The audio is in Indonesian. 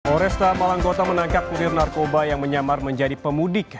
oresta malanggota menangkap kulir narkoba yang menyamar menjadi pemudik